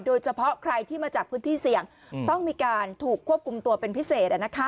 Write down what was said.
โดยเฉพาะใครที่มาจากพื้นที่เสี่ยงต้องมีการถูกควบคุมตัวเป็นพิเศษ